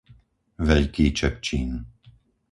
Veľký Čepčín